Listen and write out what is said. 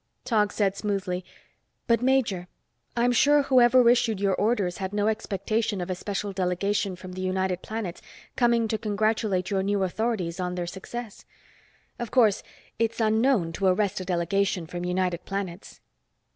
Tog said smoothly, "But, major, I'm sure whoever issued your orders had no expectation of a special delegation from the United Planets coming to congratulate your new authorities on their success. Of course, it's unknown to arrest a delegation from United Planets."